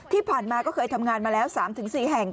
ที่ผ่านมาก็เคยทำงานมาแล้ว๓๔แห่ง